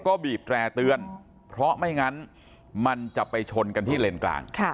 ก็บีบแตร่เตือนเพราะไม่งั้นมันจะไปชนกันที่เลนกลาง